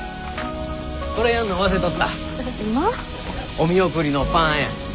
お見送りのパンや。